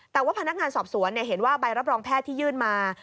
แต่ว่าพนักงานสอบสวนเห็นว่าใบรับรองแพทย์ที่ยื่นมา